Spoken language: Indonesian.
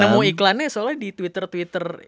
nemu iklannya soalnya di twitter twitter